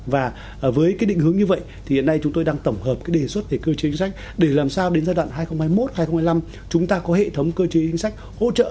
và với cái định hướng như vậy thì hiện nay chúng tôi đang tổng hợp cái đề xuất về cơ chế chính sách để làm sao đến giai đoạn hai nghìn hai mươi một hai nghìn hai mươi năm chúng ta có hệ thống cơ chế chính sách hỗ trợ